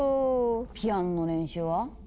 ピアノの練習は？